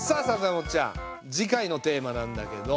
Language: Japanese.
豊本ちゃん次回のテーマなんだけど。